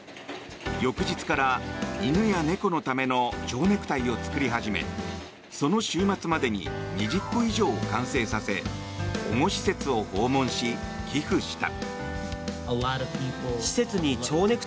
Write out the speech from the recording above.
翌日から犬や猫のための蝶ネクタイを作り始めその週末までに２０個以上を完成させ保護施設を訪問し、寄付した。